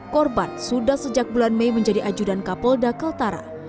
korban sudah sejak bulan mei menjadi ajudan kapolda kaltara